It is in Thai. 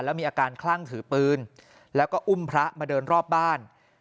แล้วมีอาการคลั่งถือปืนแล้วก็อุ้มพระมาเดินรอบบ้าน